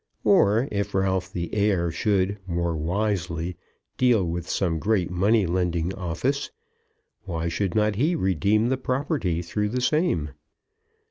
Or, if Ralph the heir should, more wisely, deal with some great money lending office, why should not he redeem the property through the same?